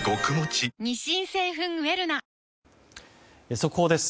速報です。